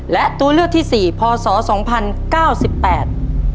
และตัวเลือกที่สี่พศสองพันเก้าสิบแปด